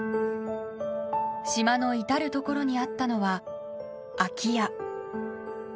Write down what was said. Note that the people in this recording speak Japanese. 島の至るところにあったのは空き家。